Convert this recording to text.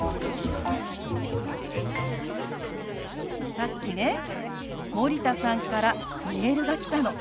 さっきね森田さんからメールが来たの。